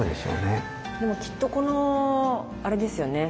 でもきっとこのあれですよね。